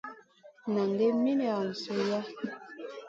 Nan gai min lawn suiʼa.